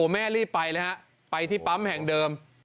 แม่รีบไปไปที่ปั๊มแห่งเดิม